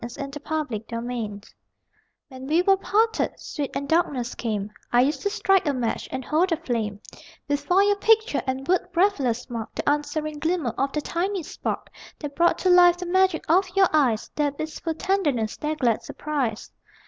TO YOU, REMEMBERING THE PAST When we were parted, sweet, and darkness came, I used to strike a match, and hold the flame Before your picture and would breathless mark The answering glimmer of the tiny spark That brought to life the magic of your eyes, Their wistful tenderness, their glad surprise.